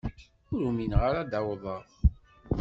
Ur umineɣ ara ad d-awḍeɣ.